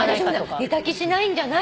私も寝た気しないんじゃない。